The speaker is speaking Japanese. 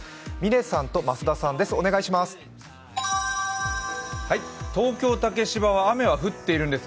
嶺さんと増田さんです